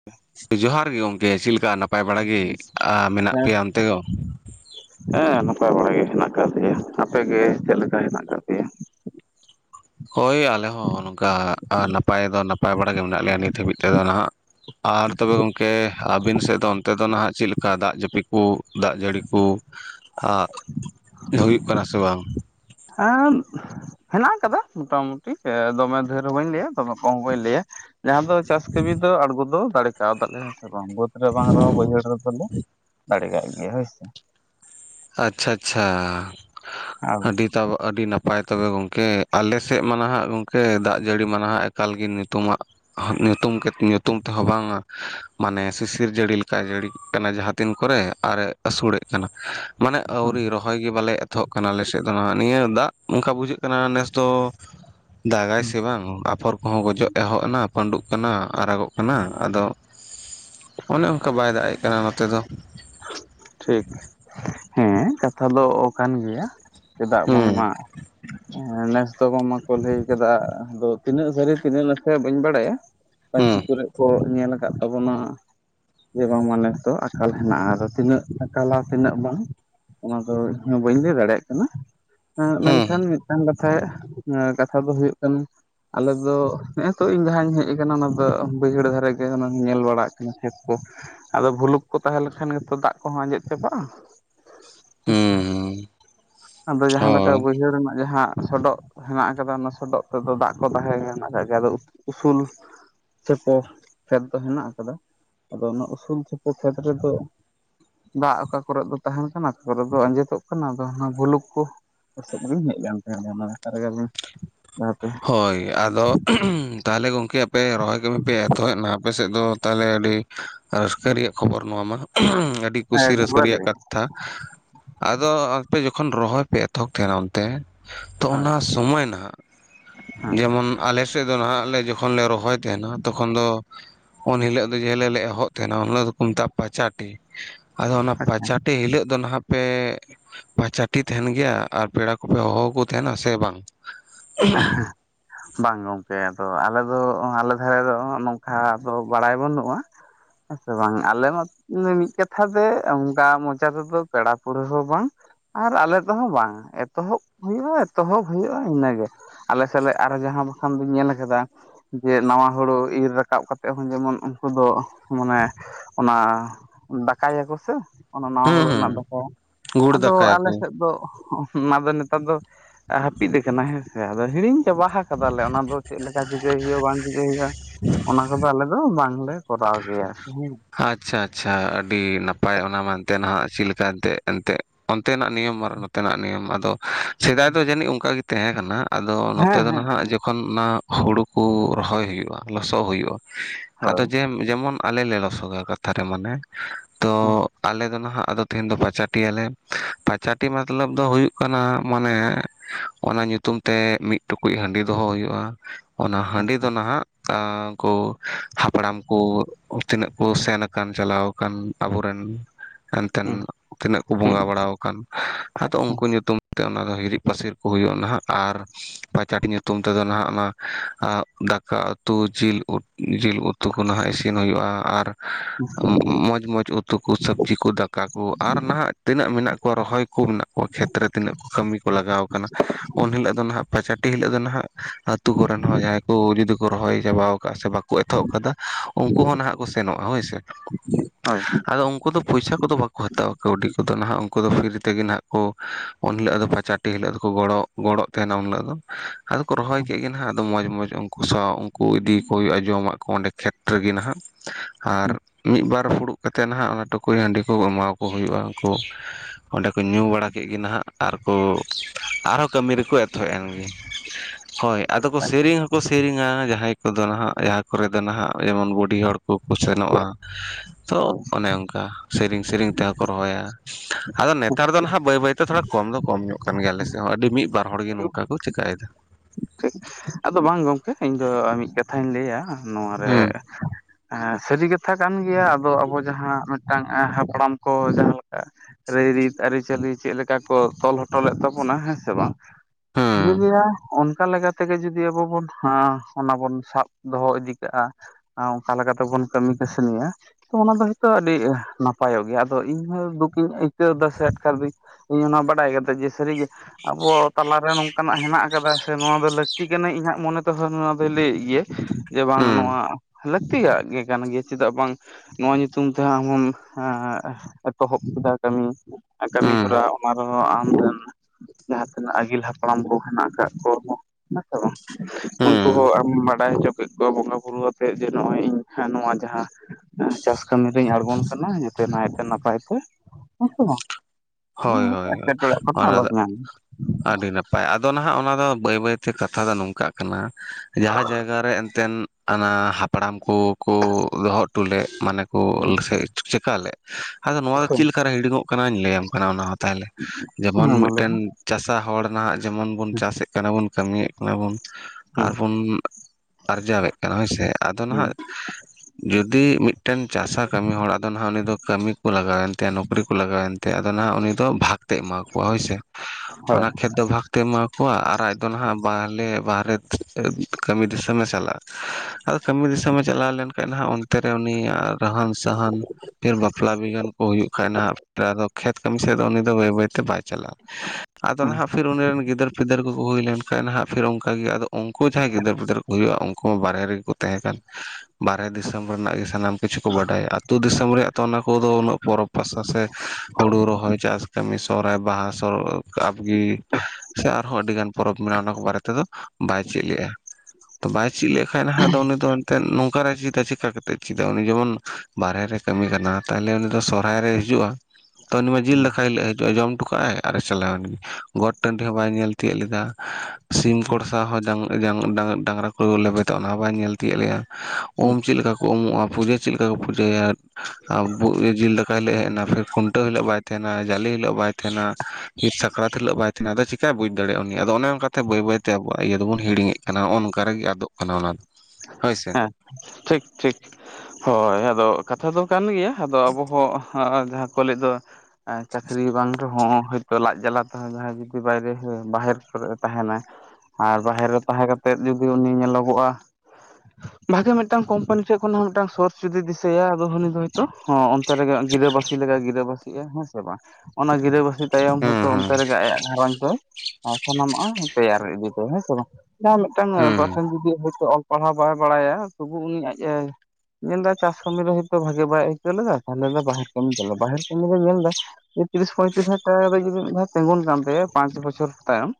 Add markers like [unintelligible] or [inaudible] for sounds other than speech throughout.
[inaudible] ᱡᱚᱦᱟᱨ ᱜᱮ ᱜᱚᱝᱠᱮ ᱪᱮᱜ ᱞᱮᱠᱟ ᱱᱟᱯᱟᱭ ᱵᱟᱲᱟ ᱜᱮ ᱟ ᱢᱮᱱᱟᱜ ᱦᱮᱸ ᱯᱮᱭᱟ ᱚᱱᱛᱮ ᱫᱚ? ᱦᱮᱸ ᱱᱟᱯᱟᱭ ᱵᱟᱲᱟ ᱜᱮ ᱦᱮᱱᱟᱜ ᱠᱟᱜ ᱞᱮᱭᱟ, ᱟᱯᱮᱜ ᱜᱮ ᱪᱮᱫ ᱞᱮᱠᱟ ᱦᱮᱱᱟᱜ ᱠᱟᱜ ᱯᱮᱭᱟ? ᱦᱳᱭ ᱟᱞᱮ ᱦᱚᱸ ᱱᱚᱝᱠᱟ ᱱᱟᱯᱟᱭ ᱫᱚ ᱱᱟᱯᱟᱭ ᱵᱟᱲᱟ ᱜᱮ ᱢᱮᱱᱟᱜ ᱞᱮᱭᱟ ᱱᱤᱛ ᱦᱟᱹᱵᱤᱜ ᱛᱮᱫᱚ ᱱᱟᱦᱟᱸᱜ᱾ ᱟᱨ ᱛᱚᱵᱮ ᱜᱚᱝ ᱠᱮ ᱟᱹᱵᱤᱱ ᱥᱮᱫ ᱫᱚ ᱚᱱᱛᱮ ᱫᱚ ᱱᱟᱦᱟᱸᱜ ᱪᱮᱜ ᱞᱮᱠᱟ ᱫᱟᱜᱽ ᱡᱟᱹᱯᱤ ᱠᱚ ᱫᱟᱜᱽ ᱡᱟᱹᱲᱤ ᱠᱚ ᱟᱸ ᱦᱩᱭᱩᱜ ᱠᱟᱱᱟ ᱥᱮ ᱵᱟᱝ? [unintelligible] ᱦᱮᱱᱟᱜ ᱠᱟᱫᱟ ᱢᱚᱴᱟᱢᱩᱴᱤ ᱮᱸ ᱫᱚᱢᱮ ᱰᱷᱮᱨ ᱦᱚᱸ ᱵᱟᱹᱧ ᱞᱟᱹᱭᱟ ᱫᱚᱢᱮ ᱠᱚᱢ ᱦᱚᱸ ᱵᱟᱹᱧ ᱞᱟᱹᱭᱟ᱾ ᱡᱟᱦᱟᱸ ᱫᱚ ᱪᱟᱥ ᱠᱟᱹᱢᱤ ᱫᱚ ᱟᱬᱜᱚ ᱫᱚ ᱫᱟᱲᱮ ᱠᱟᱣᱫᱟᱞᱮ ᱦᱮᱸ᱾ ᱥᱮ ᱵᱟᱝ ᱵᱟᱹᱫᱽ ᱨᱮ ᱵᱟᱝ ᱨᱮᱦᱚᱸ ᱵᱟᱹᱭᱦᱟᱹᱲ ᱨᱮᱫᱚᱞᱮ ᱫᱟᱲᱮᱭᱟᱜ ᱜᱮᱭᱟ ᱦᱳᱭᱥᱮ᱾ ᱟᱪᱪᱷᱟ ᱟᱪᱪᱷᱟ ᱟᱨ ᱟᱹᱰᱤ ᱛᱟᱵᱟᱜ ᱟᱹᱰᱤ ᱱᱟᱯᱟᱭ ᱛᱚᱵᱮ ᱜᱚᱝᱠᱮ ᱟᱞᱮᱥᱮᱜ ᱢᱟ ᱱᱟᱦᱟᱸᱜ ᱜᱚᱝᱠᱮ ᱫᱟᱜᱽ ᱡᱟᱹᱲᱤ ᱢᱟ ᱱᱟᱦᱟᱸᱜ ᱮᱠᱟᱞ ᱜᱮ ᱧᱩᱛᱩᱢᱟᱜ ᱧᱩᱛᱩᱢ ᱠᱟᱹᱛ ᱧᱩᱛᱩᱢ ᱛᱮᱦᱚᱸ ᱵᱟᱝᱟ ᱢᱟᱱᱮ ᱥᱤᱥᱤᱨᱡᱟᱹᱲᱤ ᱞᱮᱠᱟ ᱡᱟᱹᱲᱤ ᱠᱟᱱᱟ ᱡᱟᱦᱟᱸ ᱛᱤᱱ ᱠᱚᱨᱮ ᱟᱨᱮ ᱟᱹᱥᱩᱲᱮᱜ ᱠᱟᱱᱟ ᱢᱟᱱᱮ ᱟᱹᱣᱨᱤ ᱨᱚ ᱦᱚᱭ ᱜᱮ ᱵᱟᱞᱮ ᱮᱛᱚᱦᱚᱵ ᱠᱟᱱᱟ ᱟᱞᱮ ᱥᱮᱜ ᱫᱚ ᱱᱟᱦᱟᱸᱜ ᱱᱤᱭᱟᱹ ᱫᱟᱜᱽ ᱚᱝᱠᱟ ᱵᱩᱡᱷᱟᱹᱜ ᱠᱟᱱᱟ ᱱᱮᱥ ᱫᱚ ᱫᱟᱜᱟᱭ ᱥᱮ ᱵᱟᱝ ᱟᱯᱷᱚᱨ ᱠᱚᱦᱚᱸ ᱜᱚᱡᱚᱜ ᱮᱦᱚᱵ ᱱᱟ ᱯᱟᱹᱰᱩᱜ ᱠᱟᱱᱟ ᱟᱨᱟᱜᱚᱜ ᱠᱟᱱᱟ ᱟᱫᱚ ᱚᱱᱮ ᱚᱱᱠᱟ ᱵᱟᱭ ᱫᱟᱜᱽ ᱮᱜ ᱠᱟᱱᱟ ᱱᱚᱛᱮ ᱫᱚ᱾ ᱴᱷᱤᱠ ᱦᱮᱸ ᱠᱟᱛᱷᱟ ᱫᱚ ᱚ ᱠᱟᱱ ᱜᱮᱭᱟ᱾ ᱪᱮᱫᱟᱜ ᱦᱩᱸ ᱵᱟᱝᱢᱟ ᱱᱮᱥ ᱫᱚ ᱵᱟᱝ ᱢᱟ ᱠᱚ ᱞᱟᱹᱭ ᱠᱟᱫᱟ ᱟᱫᱚ ᱛᱤᱱᱟᱹᱜ ᱥᱟᱹᱨᱤ ᱛᱤᱱᱟᱹᱜ ᱱᱟᱥᱮ ᱵᱟᱹᱧ ᱵᱟᱰᱟᱭᱟ ᱯᱟᱹᱧᱪᱤ ᱦᱩᱸ ᱠᱚᱨᱮᱜ ᱠᱚ ᱧᱮᱞ ᱠᱟᱫ ᱛᱟᱵᱚᱱᱟ ᱡᱮᱢᱚᱱ ᱢᱟᱱᱮ ᱛᱚ ᱟᱠᱟᱞ᱾ ᱦᱮᱱᱟᱜᱼᱟ ᱟᱫᱚ ᱛᱤᱱᱟᱹᱜ ᱟᱠᱟᱞᱟ ᱛᱤᱱᱟᱹᱜ ᱵᱟᱝ ᱚᱱᱟᱫᱚ ᱤᱧᱦᱚᱸ ᱵᱟᱹᱧ ᱞᱟᱹᱭ ᱫᱟᱲᱮᱭᱟᱜ ᱠᱟᱱᱟ᱾ ᱦᱮᱸ ᱦᱩᱸ ᱢᱮᱱᱠᱷᱟᱱ ᱢᱤᱜᱴᱟᱝ ᱠᱟᱛᱷᱟᱭ ᱠᱟᱛᱷᱟ ᱫᱚ ᱦᱩᱭᱩᱜ ᱠᱟᱱᱟ ᱟᱞᱮᱫᱚ ᱦᱮᱸᱜ-ᱮ ᱛᱚ ᱤᱧ ᱡᱟᱦᱟᱸᱟᱧ ᱦᱮᱜ ᱠᱟᱱᱟ ᱚᱱᱟ ᱫᱚ ᱵᱟᱹᱭᱦᱟᱹᱲ ᱫᱷᱟᱨᱮ ᱜᱮ ᱚᱱᱮ ᱧᱮᱞ ᱵᱟᱲᱟᱜ ᱠᱟᱱᱟ ᱠᱷᱮᱛ ᱠᱚ᱾ ᱟᱫᱚ ᱵᱷᱩᱞᱩᱠ ᱠᱚ ᱛᱟᱦᱮᱸ ᱞᱮᱠᱷᱟᱱ ᱜᱮᱛᱚ ᱫᱟᱜᱽ ᱠᱚᱦᱚᱸ ᱟᱸᱡᱮᱜ ᱪᱟᱵᱟᱜᱼᱟ᱾ ᱦᱮᱸ ᱥᱮ ᱦᱩᱸ ᱟᱫᱚ ᱡᱟᱦᱟᱸᱞᱮᱠᱟ ᱦᱳᱭ ᱵᱟᱹᱭᱦᱟᱹᱲ ᱨᱮᱱᱟᱜ ᱡᱟᱦᱟᱸ ᱥᱚᱰᱚᱜ ᱦᱮᱱᱟᱜ ᱟᱠᱟᱫᱟ ᱚᱱᱟ ᱥᱚᱰᱚᱜ ᱛᱮᱫᱚ ᱫᱟᱜᱽ ᱠᱚ ᱛᱟᱦᱮᱸ ᱦᱮᱱᱟᱜ ᱠᱟᱜ ᱜᱮᱭᱟ ᱩᱥᱩᱞ ᱪᱷᱮᱯᱚ ᱠᱷᱮᱛ ᱫᱚ ᱦᱮᱱᱟᱜ ᱟᱠᱟᱫᱟ ᱟᱫᱚ ᱚᱱᱟ ᱩᱥᱩᱞ ᱪᱷᱚᱯᱚ ᱠᱷᱮᱛ ᱨᱮᱫᱚ ᱫᱟᱜᱽ ᱚᱠᱟ ᱠᱚᱨᱮ ᱫᱚ ᱛᱟᱦᱮᱸᱱ ᱠᱟᱱᱟ ᱚᱠᱟ ᱠᱚᱨᱮ ᱫᱚ ᱟᱸᱡᱮᱫᱚᱜ ᱠᱟᱱᱟ ᱟᱫᱚ ᱚᱱᱟ ᱵᱷᱩᱞᱩᱠ ᱠᱚ ᱮᱥᱮᱫ ᱜᱤᱧ ᱦᱮᱜ ᱧᱟᱢ ᱠᱮᱫᱟ ᱟᱫᱚ ᱚᱱᱟ ᱱᱟᱠᱷᱟ ᱨᱮᱜᱮᱞᱮ ᱦᱳᱭ ᱟᱫᱚ ᱛᱟᱦᱚᱞᱮ ᱜᱚᱝᱠᱮ ᱟᱯᱮ ᱨᱚᱦᱚᱭ ᱠᱟᱹᱢᱤ ᱯᱮ ᱮᱛᱚᱦᱚᱵ ᱱᱟ? ᱟᱯᱮ ᱥᱮᱜ ᱫᱚ ᱛᱟᱦᱚᱞᱮ ᱟᱹᱰᱤ ᱨᱟᱹᱥᱠᱟᱹ ᱨᱮᱭᱟᱜ ᱠᱷᱚᱵᱚᱨ ᱱᱚᱣᱟ ᱢᱟ᱾ ᱟᱹᱰᱤ ᱠᱩᱥᱤ ᱨᱟᱹᱥᱠᱟᱹ ᱮᱠᱵᱟᱨᱮ ᱨᱮᱭᱟᱜ ᱠᱟᱛᱷᱟ ᱟᱫᱚ ᱟᱯᱮ ᱡᱚᱠᱷᱚᱱ ᱨᱚᱦᱚᱭ ᱯᱮ ᱮᱛᱚᱦᱚᱵ ᱛᱟᱦᱮᱸᱱᱟ ᱛᱮ ᱛᱚ ᱦᱳᱭ ᱚᱱᱟ ᱥᱚᱢᱚᱭ ᱱᱟᱦᱟᱸᱜ ᱦᱮᱸ ᱡᱮᱢᱚᱱ ᱛᱚᱠᱷᱚᱱ ᱟᱞᱮ ᱥᱮᱜ ᱫᱚ ᱱᱟᱦᱟᱸᱜ ᱞᱮ ᱡᱚᱠᱷᱚᱱ ᱞᱮ ᱨᱚᱦᱚᱭ ᱛᱟᱦᱮᱸᱱᱟ ᱛᱚᱠᱷᱚᱱ ᱫᱚ ᱩᱱ ᱦᱤᱞᱟᱹᱜ ᱫᱚ ᱡᱮ ᱦᱤᱞᱟᱹᱜ ᱞᱮ ᱮᱦᱚᱵ ᱛᱟᱦᱮᱸᱱᱟ ᱩᱱ ᱦᱤᱞᱟᱹᱜ ᱫᱚᱠᱚ ᱢᱮᱛᱟᱜᱼᱟ ᱯᱟᱪᱟᱴᱤ᱾ ᱟᱫᱚ ᱚᱱᱟ ᱟᱪᱪᱷᱟ ᱯᱟᱸᱪᱟᱴᱤ ᱦᱤᱞᱟᱹᱜ ᱫᱚ ᱱᱟᱦᱟᱸᱜ, ᱯᱮ ᱯᱟᱸᱪᱷᱟᱴᱤ ᱛᱟᱦᱮᱱ ᱜᱮᱭᱟ ᱟᱨ ᱯᱮᱲᱟ ᱠᱚᱯᱮ ᱦᱚᱦᱚᱣᱟ ᱠᱚ ᱛᱟᱦᱮᱱᱟ ᱥᱮ ᱵᱟᱝ? [unintelligible] [inaudible] ᱵᱟᱝ ᱜᱚᱝᱠᱮ ᱟᱫᱚ ᱟᱞᱮ ᱫᱚ ᱟᱞᱮ ᱫᱷᱟᱨᱮ ᱫᱚ ᱱᱚᱝᱠᱟ ᱫᱚ ᱵᱟᱲᱟᱭ ᱵᱟᱹᱱᱩᱜᱼᱟ ᱾ ᱦᱮᱸ ᱥᱮ ᱵᱟᱝ ᱟᱞᱮ ᱢᱟ [unintelligible] ᱢᱤᱜ ᱠᱟᱛᱷᱟ ᱛᱮ ᱚᱝᱠᱟ ᱢᱚᱪᱟ ᱛᱮᱫᱚ ᱯᱮᱲᱟ ᱯᱟᱹᱲᱦᱟᱹ ᱦᱚᱸ ᱵᱟᱝ ᱾ ᱟᱨ ᱟᱞᱮ ᱛᱮᱦᱚᱸ ᱵᱟᱝ ᱮᱛᱚᱦᱚᱵ ᱦᱩᱭᱩᱜᱼᱟ ᱮᱛᱚᱦᱚᱵ ᱦᱩᱭᱩᱜᱼᱟ ᱤᱱᱟᱹ ᱜᱮ ᱾ ᱟᱞᱮ ᱥᱮ ᱞᱮᱜ ᱟᱨᱚ ᱡᱟᱦᱟᱸ ᱵᱟᱠᱷᱟᱱ ᱵᱤᱱ ᱧᱮᱞ ᱠᱟᱫᱟ ᱡᱮ ᱱᱟᱶᱟ ᱦᱳᱲᱳ ᱤᱨᱻ ᱨᱟᱠᱟᱵ ᱠᱟᱛᱮᱜ ᱦᱚᱸ ᱡᱮᱢᱚᱱ ᱩᱱᱠᱩ ᱫᱚ ᱢᱟᱱᱮ ᱚᱱᱟ ᱫᱟᱠᱟᱭᱟᱠᱚ ᱥᱮ ᱾ ᱚᱱᱟ ᱱᱟᱣᱟ ᱦᱩᱸ ᱦᱳᱲᱳ ᱦᱩᱸ ᱨᱮᱱᱟᱜ ᱫᱟᱠᱟ ᱜᱩᱲ ᱟᱫᱚ ᱫᱟᱠᱟᱭᱟᱠᱚ ᱟᱞᱮᱥᱮᱫ ᱫᱚ ᱾ ᱚᱱᱟᱫᱚ ᱱᱮᱛᱟᱨ ᱫᱚ ᱦᱟᱹᱯᱤᱫ ᱠᱟᱱᱟ ᱦᱮᱸᱥᱮ ᱟᱫᱚ ᱦᱤᱲᱤᱧ ᱾ ᱪᱟᱵᱟᱦᱟ ᱠᱟᱫᱟᱞᱮ ᱚᱱᱟ ᱫᱚ ᱪᱮᱜ ᱞᱮᱠᱟ ᱪᱤᱠᱟᱹᱭ ᱦᱩᱭᱩᱜᱼᱟ ᱵᱟᱝ ᱪᱤᱠᱟᱹᱭ ᱦᱩᱭᱩᱜᱼᱟ ᱾ ᱚᱱᱟ ᱠᱚᱫᱚ ᱟᱞᱮ ᱫᱚ ᱵᱟᱝᱞᱮ ᱠᱚᱨᱟᱣ ᱜᱮᱭᱟ ᱦᱩᱸ ᱾ ᱟᱪᱪᱷᱟ ᱟᱪᱪᱷᱟ ᱟᱹᱰᱤ ᱱᱟᱯᱟᱭ ᱚᱱᱟ ᱢᱟᱱ ᱛᱮᱱ ᱱᱟᱦᱟᱜ ᱪᱤᱞ ᱠᱟ ᱫᱮᱜ ᱮᱱᱛᱮᱫ ᱾ ᱚᱱᱛᱮᱱᱟᱜ ᱱᱤᱭᱚᱢ ᱟᱨ ᱱᱚᱛᱮᱱᱟᱜ ᱱᱤᱭᱚᱢ ᱟᱫᱚ ᱾ ᱥᱮᱫᱟᱭ ᱫᱚ ᱡᱟᱹᱱᱤᱡ ᱚᱝᱠᱟ ᱜᱮ ᱛᱟᱦᱮᱸ ᱠᱟᱱᱟ ᱟᱫᱚ ᱱᱚᱛᱮ ᱦᱮᱸ ᱫᱚ ᱦᱮᱸ ᱱᱟᱦᱟᱜ ᱡᱚᱠᱷᱚᱱ ᱚᱱᱟ ᱦᱩᱲᱩ ᱠᱚ ᱨᱚᱦᱚᱭ ᱦᱩᱭᱩᱜᱼᱟ ᱞᱚᱥᱚᱜ ᱦᱩᱭᱩᱜᱼᱟ ᱟᱫᱚ ᱦᱮᱞᱳ ᱡᱮ ᱡᱮᱢᱚᱱ ᱟᱞᱮ ᱞᱮ ᱨᱚ ᱥᱚᱜᱮ ᱠᱟᱛᱷᱟ ᱨᱮ ᱢᱟᱱᱮ ᱦᱩᱸ ᱛᱚ ᱟᱞᱮ ᱫᱚ ᱱᱟᱦᱟᱜ ᱟᱫᱚ ᱛᱮᱦᱮᱱ ᱫᱚ ᱯᱟᱪᱟᱴᱤᱭᱟᱞᱮ ᱯᱟᱪᱟᱴᱤ ᱢᱟᱛᱞᱟᱵ ᱫᱚ ᱦᱩᱭᱩᱜ ᱠᱟᱱᱟ ᱢᱟᱱᱮ ᱚᱱᱟ ᱧᱩ ᱛᱩᱢ ᱛᱮ ᱢᱤᱜ ᱴᱩᱠᱩᱡ ᱦᱟᱺᱰᱤ ᱫᱚᱦᱚ ᱦᱩᱭᱩᱜᱼᱟ ᱾ ᱚᱱᱟ ᱦᱟᱺᱰᱤ ᱫᱚ ᱱᱟᱦᱟᱜ ᱛᱟᱠᱩ ᱦᱟᱯᱲᱟᱢ ᱠᱩ ᱛᱤᱱᱟᱹᱜ ᱾ ᱠᱚ ᱥᱮᱱ ᱟᱠᱟᱱ ᱪᱟᱞᱟᱣ ᱠᱟᱱ ᱟᱵᱚ ᱨᱮᱱ ᱾ ᱮᱱᱛᱮᱱ ᱛᱤᱱᱟᱹᱜ ᱠᱚ ᱵᱚᱸᱜᱟ ᱵᱟᱲᱟᱣ ᱠᱟᱱ ᱟᱫᱚ ᱦᱩᱸ ᱩᱱᱠᱩ ᱧᱩᱛᱩᱢ ᱛᱮ ᱚᱱᱟ ᱫᱚ ᱦᱤᱨᱤᱡ ᱯᱟᱹᱥᱤᱨ ᱠᱚ ᱦᱩᱭᱩᱜᱼᱟ ᱱᱟᱦᱟᱜ ᱟᱨ ᱯᱟᱸᱪᱟᱴᱤ ᱧᱩᱛᱩᱢ ᱛᱮᱫᱚ ᱱᱟᱦᱟᱜ ᱚᱱᱟ ᱟᱜ ᱫᱟᱠᱟ ᱩᱛᱩ ᱡᱤᱞ ᱩᱫ ᱡᱤᱞ ᱩᱫ ᱛᱩ ᱠᱚ ᱱᱟᱦᱟᱜ ᱤᱥᱤᱱ ᱦᱩᱭᱩᱜᱼᱟ ᱾ᱟᱨ [inaudible] ᱢᱚᱡᱽᱼᱢᱚᱡᱽ ᱩᱛᱩ ᱠᱚ ᱥᱚᱵᱽᱡᱤ ᱠᱩ ᱫᱟᱠᱟ ᱠᱩ ᱟᱨ ᱱᱟᱦᱟᱜ ᱛᱤᱱᱟᱹᱜ ᱢᱮᱱᱟᱜ ᱠᱚ ᱨᱚᱦᱚᱭ ᱠᱚ ᱢᱮᱱᱟᱜ ᱠᱚᱣᱟ ᱠᱷᱮᱛ ᱨᱮ ᱛᱤᱱᱟᱹᱜ ᱠᱚ ᱠᱟᱹᱢᱤ ᱠᱚ ᱞᱟᱜᱟᱣ ᱠᱟᱱᱟ ᱩᱱ ᱦᱤᱞᱟᱸᱜ ᱫᱚ ᱱᱟᱦᱟᱜ ᱯᱟᱪᱟ ᱴᱤ ᱦᱤᱞᱟᱹᱜ ᱫᱚ ᱱᱟᱦᱟᱜ ᱟᱹᱛᱩ ᱠᱚᱨᱮᱱ ᱦᱚᱸ ᱡᱟᱦᱟᱸᱭ ᱠᱚ ᱡᱩᱫᱤ ᱠᱚ ᱨᱚᱦᱚᱭ ᱪᱟᱵᱟ ᱠᱟᱜᱼᱟ ᱥᱮ ᱵᱟᱠ ᱠᱚ ᱮᱛᱚᱦᱚᱵ ᱠᱟᱫᱟ ᱩᱱᱠᱩ ᱦᱚᱸ ᱱᱟᱦᱟᱜ ᱠᱚ ᱥᱮᱱᱚᱜᱼᱟ ᱦᱳᱭᱥᱮ ᱦᱳᱭ ᱟᱫᱚ ᱩᱱᱠᱩ ᱫᱚ ᱯᱚᱭᱥᱟ ᱠᱚᱫᱚ ᱵᱟᱠᱚ ᱦᱟᱛᱟᱣᱟ ᱠᱟᱹᱣᱰᱤ ᱠᱚᱫᱚ ᱱᱟᱦᱟᱜ ᱩᱱᱠᱩᱫᱚ ᱯᱷᱤᱨᱤ ᱛᱮᱜᱮ ᱱᱟᱦᱟᱜ ᱠᱚ ᱩᱱ ᱦᱤᱞᱟᱹᱜ ᱫᱚ ᱯᱟᱪᱟᱴᱤ ᱦᱤᱞᱟᱹᱜ ᱫᱚᱠᱚ ᱜᱚᱲᱚ ᱜᱚᱲᱚᱜ ᱛᱟᱦᱮᱱᱟ ᱩᱱ ᱦᱤᱞᱟᱹᱜ ᱫᱚ ᱟᱫᱚ ᱠᱚ ᱨᱚᱦᱚᱭ ᱠᱮᱜ ᱜᱮ ᱦᱟᱸᱜ ᱟᱫᱚ ᱢᱚᱸᱡᱽ ᱢᱚᱸᱡᱽ ᱠᱩ ᱥᱟᱶ ᱩᱝᱠᱩ ᱤᱫᱤ ᱠᱚ ᱦᱩᱭᱩᱜᱼᱟ ᱡᱚᱢᱟᱜ ᱠᱚ ᱚᱸᱰᱮ ᱠᱷᱮᱛ ᱨᱮᱜᱮ ᱱᱟᱦᱟᱜ ᱟᱨ ᱢᱤᱜ ᱵᱟᱨ ᱾ ᱯᱷᱩᱲᱩᱜ ᱠᱟᱛᱮ ᱱᱟᱦᱟᱜ ᱚᱱᱟ ᱴᱩᱠᱩᱡ ᱦᱟᱺᱰᱤ ᱠᱚ ᱮᱢᱟᱠᱚ ᱦᱩᱭᱩᱜᱼᱟ ᱩᱱᱠᱩ ᱾ ᱚᱸᱰᱮ ᱠᱚ ᱧᱩ ᱵᱟᱲᱟ ᱠᱮᱜ ᱜᱮ ᱱᱟᱦᱟᱸᱜ ᱟᱨᱠᱚ ᱟᱨᱦᱚᱸ ᱠᱟᱹᱢᱤ ᱨᱮᱠᱚ ᱮᱛᱚᱦᱚᱵ ᱮᱱ ᱜᱮ ᱾ ᱦᱚᱭ ᱟᱫᱚ ᱠᱚ ᱥᱮᱨᱮᱧ ᱦᱚᱸᱠᱚ ᱥᱮᱨᱮᱧᱟ ᱡᱟᱦᱟᱸᱭ ᱠᱚᱫᱚ ᱱᱟᱦᱟᱜ ᱡᱟᱦᱟᱸ ᱠᱚᱨᱮ ᱫᱚ ᱱᱟᱦᱟᱜ ᱡᱮᱢᱚᱱ ᱵᱚᱰᱤ ᱦᱚᱲ ᱾ ᱠᱩ ᱠᱚ ᱥᱮᱱᱚᱜᱼᱟ ᱛᱚ ᱚᱱᱮ ᱚᱝᱠᱟ ᱥᱮᱨᱮᱧ ᱥᱮᱨᱮᱧ ᱛᱮᱦᱚᱸ ᱠᱚ ᱨᱚᱦᱚᱭᱟ ᱾ ᱟᱫᱚ ᱱᱮᱛᱟᱨ ᱫᱚ ᱱᱟᱦᱟᱜ ᱵᱟᱹᱭ ᱵᱟᱹᱭᱛᱮ ᱛᱷᱚᱲᱟ ᱠᱚᱢ ᱫᱚ ᱠᱚᱢ ᱧᱚᱜ ᱠᱟᱱ ᱜᱮᱭᱟ ᱟᱞᱮ ᱥᱮᱜ ᱦᱚᱸ ᱟᱹᱰᱤ ᱢᱤᱫ ᱵᱟᱨ ᱦᱚᱲ ᱜᱮ ᱱᱚᱝᱠᱟ ᱠᱚ ᱪᱮᱠᱟᱭᱫᱟ ᱾ ᱟᱫᱚ ᱵᱟᱝ ᱜᱚᱝᱠᱮ ᱤᱧ ᱫᱚ ᱢᱤᱫ ᱠᱟᱛᱷᱟᱧ ᱞᱟᱹᱭᱟ ᱱᱚᱣᱟᱨᱮ ᱦᱩᱸ ᱮᱸ ᱥᱟᱹᱨᱤ ᱠᱟᱛᱷᱟ ᱠᱟᱱ ᱜᱮᱭᱟ ᱟᱫᱚ ᱟᱵᱚ ᱡᱟᱦᱟᱸ ᱢᱤᱫᱴᱟᱝ ᱮᱸ ᱦᱟᱯᱲᱟᱢ ᱠᱚ ᱡᱟᱦᱟᱸ ᱞᱮᱠᱟ ᱨᱟᱹᱭ ᱨᱤᱛ ᱟᱹᱨᱤ-ᱪᱟᱹᱞᱤ ᱪᱮᱜ ᱞᱮᱠᱟ ᱠᱚ ᱛᱚᱞ ᱦᱚᱴᱚ ᱞᱮᱜ ᱛᱟᱵᱚᱱᱟ ᱦᱮᱸ ᱥᱮ ᱵᱟᱝ ᱾ ᱦᱩᱸ [unintelligible] ᱚᱱᱠᱟ ᱞᱮᱠᱟᱛᱮ ᱛᱮᱜᱮ ᱡᱩᱫᱤ ᱟᱵᱚ ᱵᱚᱱ [inaudible] ᱚᱱᱟ ᱵᱚᱱ ᱥᱟᱵ ᱫᱚᱦᱚ ᱤᱫᱤ ᱠᱟᱜᱼᱟ ᱾ ᱟᱣᱠᱟ ᱞᱮᱠᱟ ᱛᱮᱵᱚᱱ ᱠᱟᱹᱢᱤ ᱠᱟᱹᱥᱱᱤᱭᱟ ᱾ ᱚᱱᱟ ᱫᱚ ᱦᱚᱭᱛᱚ ᱟᱹᱰᱤ ᱱᱟᱯᱟᱭᱚᱜ ᱜᱮᱭᱟ ᱟᱫᱚ ᱤᱧᱦᱚᱸ ᱫᱩᱠᱤᱧ ᱟᱹᱭᱠᱟᱹᱣ ᱮᱫᱟ ᱥᱮ ᱟᱴᱠᱟᱨ ᱫᱤᱧ ᱤᱧ ᱚᱱᱟ ᱵᱟᱰᱟᱭ ᱠᱟᱛᱮ ᱡᱮ ᱥᱟᱹᱨᱤᱜᱮ ᱟᱵᱚ ᱛᱟᱞᱟᱨᱮ ᱱᱚᱝᱠᱟᱱᱟᱜ ᱦᱮᱱᱟᱜ ᱠᱟᱫᱟ ᱥᱮ ᱱᱚᱣᱟ ᱫᱚ ᱞᱟᱹᱠ ᱛᱤ ᱠᱟᱱᱟ ᱤᱧᱟᱹᱜ ᱢᱚᱱᱮᱛᱮ ᱦᱚ ᱱᱚᱣᱟ ᱫᱚᱭ ᱞᱟᱹᱭᱮᱫ ᱜᱮᱭᱟ ᱡᱮ ᱵᱟᱝ ᱦᱩᱸ ᱱᱚᱣᱟ ᱞᱟᱹᱠᱛᱤᱭᱟᱜ ᱜᱮ ᱠᱟᱱ ᱜᱮᱭᱟ ᱪᱮᱫᱟᱜ ᱵᱟᱝ ᱱᱚᱣᱟ ᱧᱩᱛᱩᱢ ᱛᱮ ᱟᱢ ᱦᱚᱢ ᱮᱸ ᱮᱛᱚᱦᱚᱵ ᱠᱮᱫᱟ ᱠᱟᱹᱢᱤ᱾ ᱠᱟᱹᱢᱤ ᱦᱩᱸ ᱦᱚᱨᱟ ᱚᱱᱟ ᱨᱮᱦᱚ ᱦᱚ ᱟᱢᱨᱮᱱ ᱡᱟᱦᱟᱸ ᱛᱤᱱᱟᱹᱜ ᱟᱹᱜᱤᱞ ᱦᱟᱯᱲᱟᱢ ᱠᱚ ᱦᱮᱸᱱᱟᱜ ᱠᱟᱫ ᱠᱚᱣᱟ ᱦᱮᱸᱥᱮ ᱵᱟᱝ? ᱩᱱᱠᱩ ᱦᱩᱸ ᱦᱚᱸ ᱟᱢ ᱵᱟᱰᱟᱭ ᱦᱚᱪᱚ ᱠᱮᱫ ᱠᱚᱣᱟ ᱵᱚᱸᱜᱟ ᱵᱩᱨᱩ ᱟᱛᱮᱜ ᱡᱮ ᱱᱚᱜᱼᱚᱭ ᱤᱧ ᱱᱚᱣᱟ ᱡᱟᱦᱟᱸ ᱪᱟᱥ ᱠᱟᱹᱢᱤ ᱨᱤᱧ ᱟᱬᱜᱚᱱ ᱠᱟᱱᱟ ᱱᱟᱭ ᱛᱮ ᱱᱟ ᱯᱟᱭᱛᱮ ᱦᱮᱸᱥᱮ ᱵᱟᱝ? ᱦᱳᱭ ᱦᱳᱭ ᱮᱸ ᱮᱴᱠᱮ ᱴᱚᱬᱮ ᱠᱚ ᱚᱱᱟ ᱟᱞᱚ ᱫᱚ ᱧᱟᱢᱤᱧ᱾ ᱟᱹᱰᱤ ᱱᱟᱯᱟᱭ ᱟᱫᱚ ᱱᱟᱦᱟᱸᱜ ᱚᱱᱟ ᱫᱚ ᱵᱟᱹᱭ ᱵᱟᱹᱭᱛᱮ ᱠᱟᱛᱷᱟ ᱫᱚ ᱱᱚᱝᱠᱟᱜ ᱠᱟᱱᱟ ᱡᱟᱦᱟᱸ ᱡᱟᱭᱜᱟ ᱨᱮ ᱮᱱᱛᱮᱱ ᱟᱱᱟ ᱦᱟᱯᱲᱟᱢ ᱠᱩᱠᱩ ᱫᱚᱦᱚᱴᱚ ᱞᱮᱫ ᱢᱟᱱᱮ ᱠᱚ ᱥᱮ ᱪᱤᱠᱟ ᱞᱮᱫ, ᱟᱫᱚ ᱱᱚᱣᱟ ᱫᱚ ᱪᱮᱫᱞᱠᱟᱨᱮ ᱦᱤᱲᱤᱧᱚᱜ ᱠᱟᱱᱟᱧ ᱞᱟᱹᱭᱟᱢ ᱠᱟᱱᱟ ᱚᱱᱟ ᱦᱚᱸ ᱛᱟᱦᱚᱞᱮ ᱡᱮᱢᱚᱱ ᱦᱮᱸ ᱢᱟ ᱞᱟᱹᱭ ᱢᱤᱫᱴᱮᱱ ᱢᱮ ᱪᱟᱥᱟ ᱦᱚᱲ ᱱᱟᱦᱟᱸᱜ ᱡᱮᱢᱚᱱ ᱵᱚᱱ ᱪᱟᱥᱮᱫ ᱠᱟᱱᱟ ᱵᱩᱱ ᱠᱟᱹᱢᱤᱭᱮᱫ ᱠᱟᱱᱟ ᱵᱩᱱ, ᱦᱮᱸ ᱟᱨᱵᱚᱱ ᱟᱨᱡᱟᱣᱮᱜ ᱠᱟᱱᱟ ᱦᱳᱭᱥᱮ ᱟᱫᱚ ᱦᱮᱸ ᱱᱟᱦᱟᱸᱜ ᱡᱩᱫᱤ ᱢᱤᱫᱴᱮᱱ ᱪᱟᱥᱟ ᱠᱟᱹᱢᱤ ᱦᱚᱲᱟᱜ ᱫᱚ ᱱᱟᱦᱟᱸᱜ ᱩᱱᱤ ᱫᱚ ᱠᱟᱹᱢᱤ ᱠᱚ ᱞᱟᱜᱟᱣᱮᱱ ᱛᱟᱭᱟ ᱱᱚᱠᱨᱤ ᱠᱚ ᱞᱟᱜᱟᱣᱮᱱ ᱛᱟᱭᱟ ᱟᱫᱚ ᱚᱱᱟ ᱩᱱᱤ ᱫᱚ ᱵᱷᱟᱜᱽ ᱛᱮ ᱮᱢᱟ ᱠᱚᱣᱟ ᱦᱳᱭᱥᱮ ᱦᱳᱭ ᱚᱱᱟ ᱠᱷᱮᱛ ᱫᱚ ᱵᱷᱟᱜᱽ ᱛᱮ ᱮᱢᱟᱠᱚᱣᱟ ᱟᱨ ᱟᱡ ᱫᱚ ᱱᱟᱦᱟᱸᱜ ᱵᱟᱦᱚᱞᱮ ᱵᱟᱨᱦᱮ ᱠᱟᱹᱢᱤ ᱫᱤᱥᱚᱢ ᱮ ᱪᱟᱞᱟᱜᱼᱟ, ᱟᱫᱚ ᱠᱟᱹᱢᱤ ᱫᱤᱥᱚᱢᱮ ᱪᱟᱞᱟᱣ ᱞᱮᱱᱠᱷᱟᱱᱡ ᱦᱟᱸᱜ ᱚᱱᱛᱮ ᱨᱮ ᱩᱱᱤ ᱨᱟᱦᱟᱱ ᱥᱟᱦᱟᱱ [unintelligible] ᱵᱟᱯᱞᱟ ᱵᱤᱜᱷᱟᱹ ᱠᱚ ᱦᱩᱭᱩᱜ ᱠᱷᱟᱱ ᱱᱟᱦᱟᱸᱜ ᱟᱫᱚ ᱠᱷᱮᱛ ᱠᱟᱹᱢᱤ ᱥᱮᱫ ᱫᱚ ᱩᱱᱤ ᱫᱚ ᱵᱟᱹᱭ ᱵᱟᱹᱭᱛᱮ ᱵᱟᱭ ᱪᱟᱞᱟᱜᱼᱟ ᱟᱫᱚ ᱱᱟᱦᱟᱸᱜ ᱯᱷᱤᱨ ᱩᱱᱤ ᱨᱮᱱ ᱜᱤᱫᱟᱹᱨ ᱯᱤᱫᱟᱹᱨ ᱠᱚᱠᱚ ᱦᱩᱭ ᱞᱮᱱ ᱮᱠᱷᱟᱱ ᱱᱟᱦᱟᱸᱜ ᱯᱷᱤᱨ ᱚᱱᱠᱟ ᱜᱮ ᱟᱫᱚ ᱩᱱᱠᱩ ᱡᱟᱦᱟᱸᱭ ᱜᱤᱫᱽᱟᱹᱨᱼ ᱯᱤᱫᱟᱹᱨᱟᱹ ᱠᱚ ᱦᱩᱭᱩᱜᱼᱟ ᱩᱱᱠᱩ ᱢᱟ ᱵᱟᱦᱨᱮ ᱨᱮᱜᱮ ᱛᱟᱦᱮᱸ ᱠᱟᱱ ᱵᱟᱨᱦᱮ ᱫᱤᱥᱚᱢ ᱨᱮᱱᱟᱜ ᱜᱮ ᱥᱟᱱᱟᱢ ᱠᱤᱪᱷᱩ ᱠᱚ ᱵᱟᱰᱟᱭᱟ ᱟ ᱟᱹᱛᱩᱳ ᱫᱤᱥᱚᱢ ᱨᱮᱭᱟᱜ ᱛᱚ ᱚᱱᱟ ᱠᱚᱫᱚ ᱩᱱᱟᱹᱜ ᱯᱚᱨᱚᱵᱽ ᱯᱟᱥᱟ ᱥᱮ ᱦᱩᱲᱩ ᱨᱚᱦᱚᱭ ᱪᱟᱥ ᱠᱟᱹᱢᱤ ᱥᱚᱦᱚᱨᱟᱭ ᱵᱟᱦᱟ ᱥᱚ ᱟᱵᱜᱤ ᱥᱮ ᱟᱨᱦᱚᱸ ᱟᱹᱰᱤᱜᱟᱱ ᱯᱚᱨᱚᱵᱽ ᱢᱮᱱᱟᱜᱼᱟ ᱚᱱᱟ ᱠᱚ ᱵᱟᱨᱮ ᱛᱮᱫᱚ ᱵᱟᱭ ᱪᱮᱫ ᱞᱮᱫᱼᱟ᱾ ᱛᱚ ᱵᱟᱭ ᱪᱮᱫ ᱞᱮᱠᱷᱟᱱᱡ ᱦᱟᱸᱜ ᱫᱚ ᱩᱱᱤ ᱫᱚ ᱮᱱᱛᱮᱫ ᱱᱚᱝᱠᱟᱨᱮᱭ ᱪᱮᱛᱟ ᱪᱮᱠᱟ ᱠᱟ ᱛᱮᱜ ᱠᱮᱫᱟᱜ ᱩᱱᱤ ᱡᱮᱢᱚᱱ ᱵᱟᱨᱦᱮ ᱨᱮ ᱠᱟᱹᱢᱤ ᱠᱟᱱᱟ ᱛᱟᱦᱚᱞᱮ ᱩᱱᱤ ᱫᱚ ᱥᱚᱦᱚᱨᱟᱭ ᱨᱮᱭ ᱦᱤᱡᱩᱜᱼᱟ, ᱛᱚ ᱩᱱᱤᱢᱟ ᱡᱤᱞ ᱫᱟᱠᱟ ᱦᱤᱞᱳᱜ ᱮ ᱦᱤᱡᱩᱜᱼᱟ ᱡᱚᱢᱴᱚ ᱠᱟᱜᱼᱟᱭ ᱟᱨ ᱮ ᱪᱟᱞᱟᱣᱮᱱ ᱜᱤ ᱜᱚᱴ ᱴᱟᱺᱰᱤ ᱦᱚᱸ ᱵᱟᱭ ᱧᱮᱞ ᱛᱤᱭᱳᱜ ᱞᱮᱫᱟ ᱥᱤᱢ ᱠᱚᱲᱥᱟ ᱦᱚᱸ ᱰᱟᱝ ᱡᱟᱝ ᱰᱟᱝ ᱰᱟᱝᱨᱟ ᱠᱚ ᱞᱮᱵᱮᱫ ᱚᱜ ᱚᱱᱟ ᱦᱚ ᱵᱟᱭ ᱧᱮᱞ ᱛᱤᱭᱳᱜ ᱞᱮᱭᱟ ᱩᱢ ᱪᱮᱫ ᱞᱮᱠᱟ ᱩᱢᱩᱜᱼᱟ ᱯᱩᱡᱟᱹ ᱪᱮᱫ ᱞᱮᱠᱟ ᱠᱚ ᱯᱩᱡᱟᱹᱭᱟ ᱡᱤᱞ ᱫᱟᱠᱟ ᱦᱤᱞᱟᱜ ᱮ ᱦᱮᱡ ᱱᱟ ᱯᱷᱮᱨ ᱠᱷᱩᱱ ᱴᱟᱹ ᱦᱤᱞᱳᱜ ᱵᱟᱭ ᱛᱟᱦᱮᱸᱱᱟ ᱡᱟᱞᱮ ᱦᱤᱞᱳᱜ ᱵᱟᱭ ᱛᱟᱦᱮᱸᱱᱟ ᱦᱤᱛ ᱥᱟᱠᱨᱟᱛ ᱦᱤᱞᱳᱜ ᱵᱟᱭ ᱛᱟᱦᱮᱸᱱᱟ ᱟᱫᱚ ᱪᱤ ᱪᱮᱠᱟ ᱵᱩᱡᱽ ᱫᱟᱲᱮᱭᱟᱜᱼᱟ ᱩᱱᱤ ᱟᱫᱚ ᱚᱱᱮ ᱚᱱᱮᱚᱝᱠᱟ ᱛᱮ ᱵᱟᱹᱭ ᱵᱟᱹᱭᱛᱮᱹ ᱟᱵᱚᱣᱟᱜ ᱤᱭᱳ ᱫᱚᱵᱚᱱ ᱦᱤᱲᱤᱧᱮᱫ ᱠᱟᱱᱟ ᱱᱤᱭᱮ ᱱᱚᱝᱠᱟ ᱨᱮᱜᱮ ᱟᱫᱚᱜ ᱠᱟᱱᱟ ᱚᱱᱟ᱾ ᱦᱳᱭ ᱥᱮ ᱦᱮᱸ ᱴᱷᱤᱠ ᱴᱷᱤᱠ ᱦᱳᱭ ᱟᱫᱚ ᱠᱟᱛᱷᱟ ᱫᱚ ᱠᱟᱱ ᱜᱮᱭᱟ ᱟᱫᱚ ᱟᱵᱚᱦᱚ ᱦᱚᱸ ᱡᱟᱦᱟᱸ ᱠᱚ ᱞᱟᱹᱭ ᱫᱚ ᱪᱟᱹᱠᱨᱤ ᱵᱟᱝ ᱨᱮᱦᱚᱸ ᱦᱚᱳᱭᱛᱳ ᱞᱟᱡ ᱡᱟᱞᱟ ᱛᱮᱦᱚᱸ ᱡᱟᱦᱟᱸᱭ ᱡᱩᱫᱤ ᱵᱟᱭᱨᱮ ᱵᱟᱦᱮᱨ ᱠᱚᱨᱮᱫᱽ ᱮ ᱛᱟᱦᱮᱸᱱᱟ ᱟᱨ ᱵᱟᱦᱮᱨᱮ ᱨᱮ ᱛᱟᱦᱮᱸ ᱠᱟᱛᱮᱫ ᱡᱩᱫᱤ ᱩᱱᱤ ᱧᱮᱞᱚᱜᱚᱜᱼᱟ, ᱵᱷᱟᱜᱮ ᱢᱤᱫᱴᱟᱝ ᱠᱳᱢᱯᱟᱱᱤ ᱥᱮᱫ ᱠᱷᱚᱱ ᱦᱚᱸ ᱢᱤᱫᱴᱟᱝ ᱥᱳᱨᱥ ᱡᱩᱫᱤ ᱫᱤᱥᱟᱹᱭᱟ ᱟᱫᱚ ᱦᱟᱹᱱᱤ ᱫᱚ ᱦᱚᱭᱛᱚ ᱦᱚᱸ ᱚᱱᱛᱮ ᱨᱮᱜᱮ ᱜᱤᱨᱟᱹᱵᱟᱹᱥᱤ ᱞᱮ ᱞᱮᱠᱟ ᱜᱤᱨᱟᱹ ᱵᱟᱥᱤᱜᱼᱟ ᱦᱮᱸ ᱥᱮ ᱵᱟᱝ ᱚᱱᱟ ᱜᱤᱨᱟᱹ ᱵᱟᱹᱥᱤ ᱛᱟᱭᱚᱢ ᱦᱩᱸ ᱦᱚᱭᱛᱳ ᱦᱩᱸ ᱚᱱᱛᱮ ᱨᱮᱜᱮ ᱟᱭᱟᱜ ᱜᱷᱟᱨᱚᱱᱪ ᱫᱚᱭ ᱮᱸ ᱥᱟᱱᱟᱢᱚᱜᱼᱟ ᱛᱮᱭᱟᱨ ᱤᱫᱤᱭ ᱛᱮᱟᱭᱟᱨ ᱤᱫᱤᱭ ᱛᱟᱭᱟ ᱦᱮᱸ ᱥᱮ ᱵᱟᱝ ᱡᱟᱦᱟᱸ ᱢᱤᱫᱴᱟᱝ ᱦᱩᱸ ᱯᱟᱨᱥᱮᱱ ᱡᱩᱫᱤ ᱦᱳᱭᱛᱚ ᱚᱞ ᱯᱟᱲᱦᱟᱣ ᱵᱟᱭ ᱵᱟᱲᱟᱭᱟ ᱛᱚᱵᱩ ᱩᱱᱤ ᱟᱡᱼ ᱮ ᱧᱮᱞ ᱫᱟᱭ ᱪᱟᱥ ᱠᱟᱹᱢᱤ ᱨᱮ ᱦᱚᱭᱛ ᱵᱷᱟᱜᱤ ᱵᱟᱭ ᱟᱹᱭᱠᱟᱹᱣ ᱞᱮᱫᱟ ᱛᱟᱦᱞᱮ ᱫᱚ ᱵᱟᱦᱮᱨ ᱠᱟᱹᱢᱤ ᱪᱟᱞ ᱵᱟᱦᱮᱨ ᱠᱟᱹᱢᱤᱮ ᱧᱮᱞ ᱫᱟᱭ ᱛᱤᱨᱤᱥ ᱯᱚᱸᱭᱛᱨᱤᱥ ᱦᱟᱡᱟᱨ ᱴᱟᱠᱟ ᱠᱟᱛᱮ ᱡᱚᱫ ᱢᱤᱫ ᱫᱷᱟᱣ ᱛᱤᱸᱜᱩᱱ ᱠᱟᱱ ᱛᱟᱭᱟ ᱯᱟᱸᱪ ᱵᱚᱪᱷᱚᱨ ᱛᱟᱭᱚᱢ,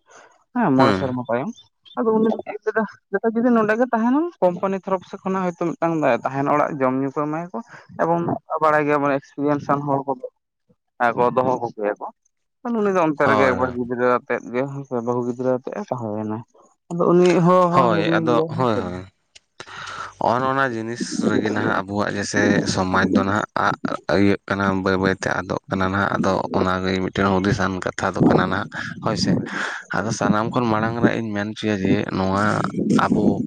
ᱦᱮᱸ ᱢᱚᱬᱮ ᱦᱩᱸ ᱥᱮᱨᱢᱟ ᱛᱟᱭᱚᱢ, ᱟᱫᱚ ᱩᱱᱤ ᱡᱚᱛᱚ ᱡᱩᱫᱤ ᱱᱚᱰᱮ ᱜᱮ ᱛᱟᱦᱮᱱᱟᱢ, ᱠᱳᱢᱯᱟᱱᱤ ᱛᱚᱨᱚᱯ ᱥᱮ ᱠᱷᱚᱱᱟᱜ ᱦᱚᱭᱛᱚ ᱢᱤᱫᱴᱟᱝ ᱛᱟᱦᱮᱱ ᱚᱲᱟᱜ ᱡᱚᱢ ᱧᱩ ᱠᱚ ᱮᱢᱟᱭᱟᱠᱚ, ᱮᱵᱚᱝ ᱵᱟᱲᱟᱭ ᱜᱮᱭᱟᱵᱚᱱ ᱮᱠᱥᱯᱨᱤᱭᱮᱱᱥ ᱨᱮᱱ ᱦᱚᱲ ᱠᱚᱫᱚ ᱠᱚ ᱫᱚᱦᱚ ᱠᱚᱜᱮᱭᱟ ᱠᱚ, ᱩᱱᱤ ᱫᱚ ᱚᱱᱛᱮ ᱨᱮᱜᱮ ᱦᱳᱭ ᱮᱠᱵᱟᱨ ᱜᱤᱫᱽᱨᱟᱹ ᱟᱛᱮᱜ ᱜᱮ ᱵᱟᱹᱦᱩ ᱜᱤᱫᱽᱨᱟᱹ ᱟᱛᱮᱜ ᱮ ᱛᱟᱦᱮᱸ ᱮᱱᱟᱭ᱾ ᱟᱫᱚ ᱩᱱᱤ ᱦᱚ ᱦᱚ ᱦᱤᱲᱤᱧ ᱜᱮᱭᱟᱭ, ᱚᱱ ᱚᱱᱟ ᱡᱤᱱᱤᱥ ᱨᱮᱜᱮ ᱱᱟᱦᱜ ᱟᱵᱚᱣᱟᱜ ᱡᱮᱭᱥᱮ ᱥᱚᱢᱟᱡᱽ ᱫᱚ ᱱᱟᱦ ᱟᱜ ᱟ [unintelligible] ᱠᱟᱱᱟ, ᱵᱟᱹᱭ ᱵᱟᱹᱭᱛᱮ ᱟᱫᱚᱜ ᱠᱟᱱᱟ ᱱᱟᱦᱟᱜ ᱟᱫᱚ ᱚᱱᱟᱜᱮ ᱢᱤᱫᱴᱮᱱ ᱦᱩᱫᱤᱥᱟᱱ ᱠᱟᱛᱷᱟ ᱫᱚ ᱠᱟᱱᱟ ᱱᱟᱜ ᱦᱳᱭᱥᱮ, ᱟᱫᱚ ᱥᱟᱱᱟᱢ ᱠᱷᱚᱱ ᱢᱟᱲᱟᱝ ᱨᱮ ᱤᱧ ᱢᱮᱱ ᱦᱚᱪᱚᱭᱟ ᱡᱮ, ᱱᱚᱣᱟ ᱟᱵᱚ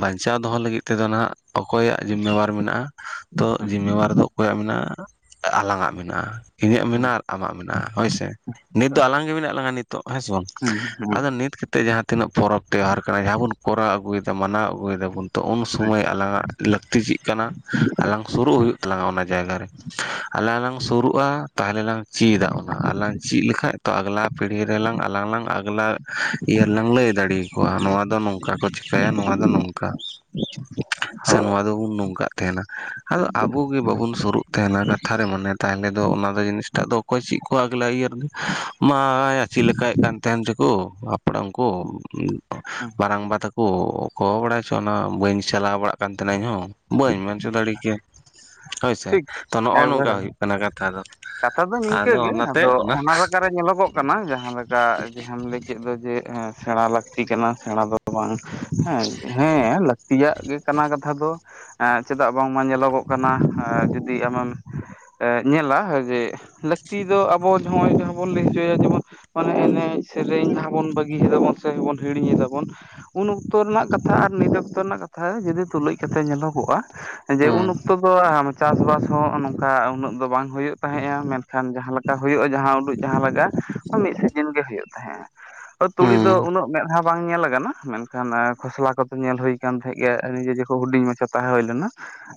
ᱵᱟᱧᱪᱟᱣ ᱫᱚᱦᱚ ᱞᱟᱹᱜᱤᱫ ᱛᱮᱫᱚ ᱱᱟᱦᱟᱜ, ᱚᱠᱚᱭᱟᱜ ᱡᱤᱢᱢ ᱵᱟᱨ ᱢᱮᱱᱟᱜᱼᱟ ᱾ᱛᱚ ᱡᱤᱢᱢ ᱵᱟᱨ ᱫᱚ ᱚᱠᱚᱭᱟᱜ ᱢᱮᱱᱟᱜᱼᱟ᱾ ᱟᱞᱟᱝ ᱟᱜ ᱢᱮᱱᱟᱜᱼᱟ, ᱤᱧᱟᱹᱜ ᱢᱮᱱᱟᱜᱼᱟ ᱟᱢᱟᱜ ᱢᱮᱱᱟᱜᱼᱟ, ᱦᱳᱭᱥᱮ ᱱᱤᱛ ᱫᱚ ᱟᱞᱟᱝ ᱜᱮ ᱢᱮᱱᱟᱜ ᱞᱟᱝᱟ ᱱᱤᱛ ᱛ ᱦᱮᱸ ᱥᱮ ᱵᱟᱝ, ᱦᱮᱸ ᱦᱮᱸ ᱟᱫᱚ ᱱᱤᱛ ᱠᱟᱛᱮᱫ ᱡᱟᱦᱟᱸ ᱛᱤᱱᱟᱹᱜ ᱯᱚᱨᱚᱵᱽ ᱛᱮᱣᱦᱟᱨ ᱠᱟᱱᱟ ᱡᱟᱦᱟᱸ ᱵᱚᱱ ᱠᱚᱨᱟᱣ ᱟᱹᱜᱩᱭᱮᱫᱟ ᱢᱟᱱᱟᱣ ᱟᱹᱜᱩᱭᱮᱫᱟᱵᱚᱱ ᱛᱚ ᱩᱱ ᱦᱮᱸ ᱥᱩᱢᱟᱹᱭ ᱟᱞᱟᱝᱟᱜ ᱞᱟᱹᱠᱛᱤ ᱪᱮᱫ ᱠᱟᱱᱟ ᱟᱞᱟᱝ ᱥᱩᱨᱩᱜ ᱦᱩᱭᱩᱜ ᱛᱟᱞᱟᱝᱟ ᱚᱱᱟ ᱡᱟᱭᱜᱟ ᱨᱮ, ᱟᱞᱟᱝ ᱞᱟᱝ ᱥᱩᱨᱩᱜᱼᱟ, ᱛᱟᱦᱚᱞᱮ ᱞᱟᱝ ᱪᱤᱫᱟ ᱚᱱᱟ ᱟᱨ ᱞᱟᱝ ᱪᱤᱫ ᱞᱮᱠᱷᱟᱡ ᱛᱚ ᱟᱜᱞᱟ ᱯᱤᱲᱦᱤ ᱨᱮᱞᱟᱝ ᱟᱞᱟᱝ ᱞᱟᱝ ᱟᱜᱞᱟ ᱤᱭᱟᱹ ᱨᱮᱞᱟᱝ ᱞᱟᱹᱭ ᱠᱳᱣᱟ ᱱᱚᱣᱟ ᱫᱚ ᱱᱚᱝᱠᱟ ᱠᱚ ᱪᱤᱠᱟᱹᱭᱟ, ᱱᱚᱣᱟ ᱫᱚ ᱱᱚᱝᱠᱟ ᱥᱮ ᱦᱳᱭ ᱱᱚᱣᱟ ᱫᱚᱵᱚᱱ ᱱᱚᱝᱠᱟᱜ ᱛᱟᱦᱮᱱᱟ ᱟᱫᱚ ᱟᱵᱚ ᱜᱮ ᱵᱟᱵᱚᱱ ᱥᱩᱨᱩᱜ ᱛᱟᱦᱮᱱᱟ ᱠᱟᱛᱷᱟ ᱨᱮ ᱢᱟᱱᱮᱫ ᱛᱟᱦᱚᱞᱮᱫᱚ ᱚᱱᱟᱫᱚ ᱡᱤᱱᱤᱥᱴᱟᱜ ᱫᱚ ᱚᱠᱚᱭ ᱪᱮᱫ ᱠᱚ ᱟᱹᱜᱽᱞᱟ ᱤᱭᱟᱹ ᱨᱮᱫᱚ, ᱢᱟᱭᱟ ᱪᱮᱫ ᱞᱮᱠᱟᱱ ᱠᱟᱱ ᱛᱟᱦᱮᱸᱱ ᱡᱠᱚ ᱟᱯᱲᱟᱢ ᱠᱚ᱾ ᱢᱟᱨᱟᱝᱵᱟ ᱛᱟᱠᱚ, ᱚᱠᱚ ᱵᱟᱲᱟᱭ ᱦᱚᱪᱚ ᱚᱱᱟ ᱵᱟᱹᱧ ᱪᱟᱞᱟᱣ ᱵᱟᱲᱟᱜ ᱠᱟᱱ ᱛᱟᱦᱮᱱᱟ ᱤᱧᱦᱚ, ᱵᱟᱹᱧ ᱢᱮᱱ ᱪ ᱫᱟᱲᱮ ᱠᱮᱭᱟ ᱦᱳᱭᱥᱮ ᱴᱷᱤᱠ ᱛᱚ ᱱᱚᱜᱼᱚ ᱱᱚᱝᱠᱟ ᱮᱠᱵᱟᱨᱮ ᱦᱩᱭᱩᱜ ᱠᱟᱱᱟ ᱠᱟᱛᱷᱟ ᱫᱚ᱾ ᱠᱟᱛᱷᱟ ᱫᱚ ᱱᱤᱝᱠᱟᱹ ᱟᱫᱚ ᱜᱮ, ᱚᱱᱟᱛᱮ ᱟᱫᱚ ᱚᱱᱟ ᱞᱮᱠᱟᱨᱮ ᱧᱮᱞᱚᱜᱚᱜ ᱠᱟᱱᱟ ᱡᱟᱦᱟᱸ ᱞᱮᱠᱟ ᱮᱢᱞ ᱠᱮᱫ ᱫᱚ ᱡᱮ ᱥᱮᱬᱟ ᱞᱟᱹᱠᱛᱤ ᱠᱟᱱᱟ ᱥᱮᱬᱟ ᱫᱚ ᱵᱟᱝ, ᱦᱮᱸ ᱦᱮᱸ ᱞᱟᱹᱠᱛᱤᱭᱟᱜ ᱜᱮ ᱠᱟᱱᱟ ᱠᱟᱛᱷᱟ ᱫᱚ, ᱪᱮᱫᱟᱜ ᱵᱟᱝᱢᱟ ᱧᱮᱞᱚᱜᱚᱜ ᱠᱟᱱᱟ ᱡᱩᱫᱤ ᱟᱢᱮᱢ ᱧᱮᱞᱟ, ᱡᱮ, ᱞᱟᱹᱠᱛᱤ ᱫᱚ ᱟᱵᱚ ᱱᱚᱜᱼᱚᱭ ᱡᱟᱦᱟᱸ ᱵᱚᱱ ᱞᱟᱹᱭ ᱦᱚᱪᱚᱭᱟ ᱡᱮᱢᱚᱱ ᱢᱟᱱᱮ ᱮᱱᱮᱡ ᱥᱮᱹᱨᱮᱹᱧ ᱡᱟᱦᱟᱸ ᱵᱚᱱ ᱵᱟᱹᱜᱤᱭᱟᱵᱚᱱ ᱥᱮᱚᱱ ᱦᱤᱲᱤᱧ ᱮᱟᱵᱚᱱ, ᱩᱱ ᱚᱠᱛᱚ ᱨᱮᱱᱟᱜ ᱠᱟᱛᱷᱟ ᱟᱨ ᱱᱤᱛ ᱚᱠᱛᱚ ᱨᱮᱱᱟᱜ ᱠᱟᱛᱷᱟ ᱡᱩᱚᱫᱤ ᱛᱩᱞᱩᱡ ᱠᱟᱛᱮᱜ ᱧᱮᱞᱚᱜᱚᱜᱼᱟ᱾ ᱡᱮ ᱩᱱ ᱦᱩᱸ ᱚᱠᱛᱚ ᱫᱚ ᱪᱟᱥᱼᱵᱟᱥ ᱦᱚᱸ ᱱᱚᱝᱠᱟ ᱩᱱᱟᱹᱜ ᱫᱚ ᱵᱟᱝ ᱦᱩᱭᱩᱜ, ᱛᱟᱦᱮᱸᱜᱼᱟ, ᱢᱮᱱᱠᱷᱟᱱ ᱡᱟᱦᱟᱸ ᱞᱮᱠᱟ ᱦᱩᱭᱩᱜᱼᱟ ᱡᱟᱦᱟᱸ ᱩᱰᱩᱡ ᱡᱟᱦᱟᱸᱞᱟᱜᱟ ᱢᱤᱫ ᱥᱤᱡᱤᱱ ᱜᱮ ᱦᱩᱭᱩᱜ ᱛᱟᱦᱮᱸᱜᱼᱟ᱾ ᱛᱩᱲᱤ ᱫᱚ ᱦᱩᱸ ᱩᱱᱟᱹᱜ ᱢᱮᱸᱫᱦᱟ, ᱵᱟᱝ ᱧᱮᱞ ᱟᱠᱟᱱᱟ ᱢᱮᱱᱠᱷᱟᱱ ᱠᱷᱚᱥᱞᱟ ᱠᱚᱫᱚ ᱧᱮᱞ ᱦᱩᱭ ᱟᱠᱟᱱ, ᱛᱟᱦᱮᱸᱫ ᱜᱮᱭᱟ ᱱᱤᱡᱮᱠᱚ ᱦᱩᱰᱤᱧ ᱢᱟᱪᱷᱟ ᱛᱟᱦᱮᱸ ᱦᱩᱭ ᱞᱮᱱᱟ,